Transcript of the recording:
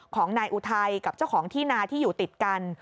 ของนายอุทัยกับเจ้าของที่นาที่อยู่ติดกัน